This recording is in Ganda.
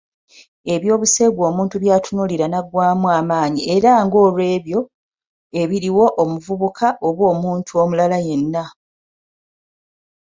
Eby'obuseegu omuntu by'atunuulira naggwaamu amaanyi era ng'olwebyo ebiriwo omuvubuka oba omuntu omulala yenna